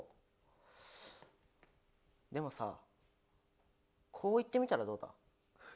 でもさこういってみたらどうだ？